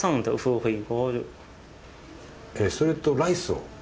えそれとライスを。